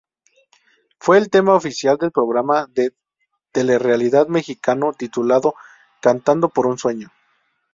Fue el tema oficial del programa de telerealidad mexicano titulado Cantando por un sueño.